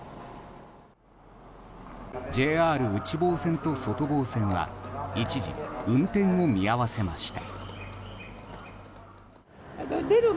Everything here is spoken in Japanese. ＪＲ内房線と外房線は一時、運転を見合わせました。